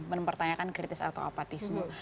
menempertanyakan kritis atau apatisme